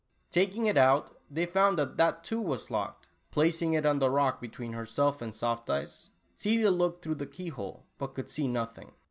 Takincr it out, they found that that too was locked. Placing it on the rock between herself and Soft Eyes, Celia looked through the key hole, but could see nothing.